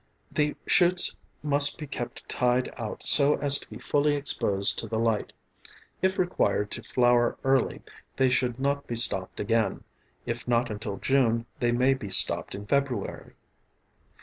The shoots must be kept tied out so as to be fully exposed to the light. If required to flower early they should not be stopped again; if not until June they may be stopped in February.